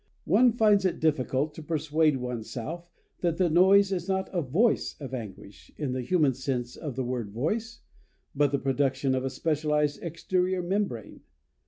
One finds it difficult to persuade oneself that the noise is not a voice of anguish, in the human sense of the word "voice," but the production of a specialized exterior membrane.